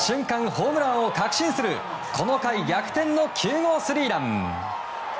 ホームランを確信するこの回逆転の９号スリーラン。